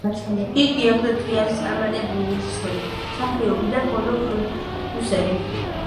იგი აგრეთვე არის წარმატებული რეჟისორი, მსახიობი და კინოპროდიუსერი.